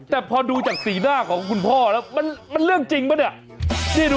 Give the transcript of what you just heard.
แต่พอดูจากสีหน้าของคุณพ่อแล้วมันเรื่องจริงปะเนี่ย